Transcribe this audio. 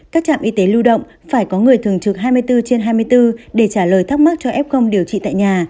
các trạm y tế lưu động phải có người thường trực hai mươi bốn trên hai mươi bốn để trả lời thắc mắc cho f điều trị tại nhà